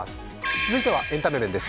続いてはエンタメ面です。